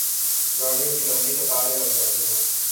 گاڑیوں کی لمبی قطاریں لگ جاتی ہیں۔